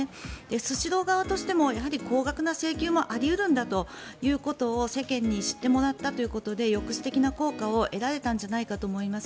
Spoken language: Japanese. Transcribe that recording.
スシロー側としてもやはり高額な請求もあり得るんだということを世間に知ってもらったということで抑止的な効果を得られたんじゃないかと思います。